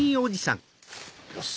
よし！